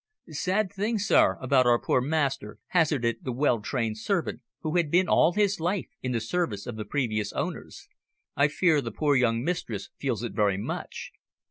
"Sad thing, sir, about our poor master," hazarded the well trained servant, who had been all his life in the service of the previous owners. "I fear the poor young mistress feels it very much."